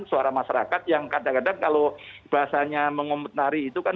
suara masyarakat yang kadang kadang kalau bahasanya mengomentari itu kan